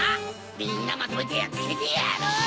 みんなまとめてやっつけてやる！